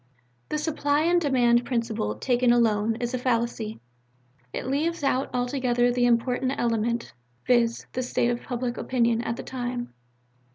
"The Supply and Demand principle, taken alone, is a fallacy. It leaves out altogether the most important element, viz. the state of public opinion at the time.